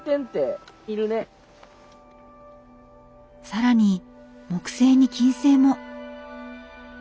更に木星に金星も！